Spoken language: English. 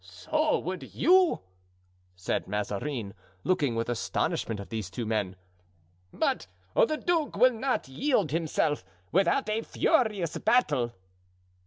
"So would you!" said Mazarin, looking with astonishment at those two men. "But the duke will not yield himself without a furious battle."